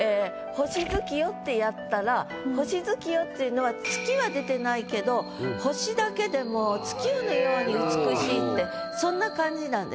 「星月夜」ってやったら星月夜っていうのは月は出てないけど星だけでもう月夜のように美しいってそんな感じなんです。